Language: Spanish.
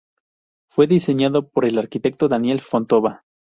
Fue diseñado por el arquitecto Daniel Fontova.